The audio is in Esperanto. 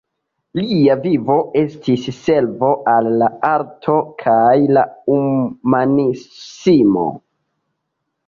Lia vivo estis servo al la arto kaj la humanismo.